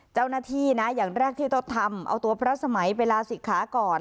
เจ้าหน้าที่นะอย่างแรกที่ต้องทำเอาตัวพระสมัยไปลาศิกขาก่อน